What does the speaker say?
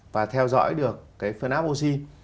và theo dõi được cái phần áp oxy